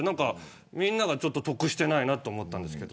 みんなが得していないなと思ったんですけど。